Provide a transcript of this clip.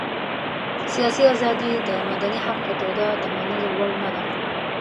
سياسي ازادي یې د مدني حق په توګه د منلو وړ نه ده.